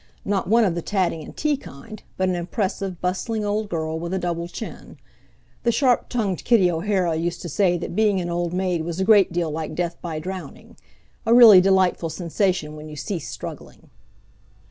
Not one of the tatting and tea kind, but an impressive, bustling old girl, with a double chin. The sharp tongued Kitty O'Hara used to say that being an old maid was a great deal like death by drowning a really delightful sensation when you ceased struggling.